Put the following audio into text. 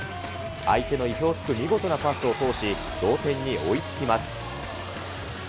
相手の意表をつく見事なパスを通し、同点に追いつきます。